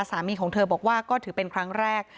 สามีของเธอบอกว่าก็ถือเป็นครั้งแรก